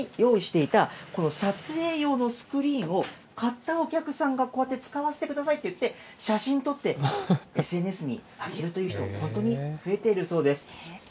お店がカタログ用に用意していた、この撮影用のスクリーンを買ったお客さんがこうやって使わせてくださいと言って、写真撮ってＳＮＳにあげるという人、本当に増えているそうです。